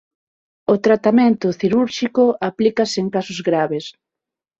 O tratamento cirúrxico aplícase en casos graves.